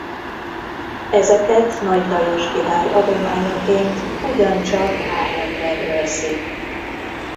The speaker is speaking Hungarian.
Ezeket Nagy Lajos király adományaként ugyancsak Aachenben őrzik.